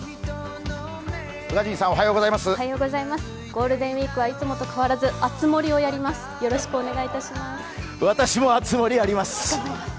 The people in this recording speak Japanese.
ゴールデンウイークはいつもと変わらず「あつ森」をやります